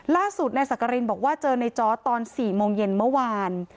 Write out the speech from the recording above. ล่าสุดนายสักกรินบอกว่าเจอในจอร์ดตอน๔โมงเย็นเมื่อวาน